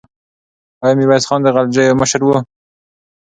آیا میرویس خان د غلجیو مشر و؟